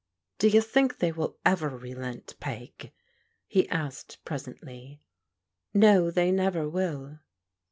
" Do you think they will ever relent. Peg? " he asked, presently. " No, they never will."